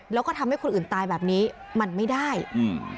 แล้วก็ทำให้คนอื่นตายแบบนี้มันไม่ได้อืม